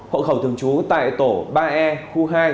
hộ khẩu thường trú tại tổ ba e khu hai